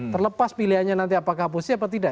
terlepas pilihannya nanti apakah oposisi atau tidak